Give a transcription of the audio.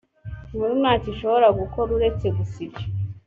nkuru ntacyo ishobora gukora uretse gusa ibyo